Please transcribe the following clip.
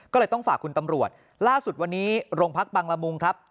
ก็เลยต้องฝากคุณตำรวจล่าสุดวันนี้โรงพักบังละมุงครับ